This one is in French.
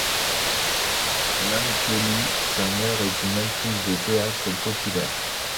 Nan Kelly, sa mère, est une actrice de théâtre populaire.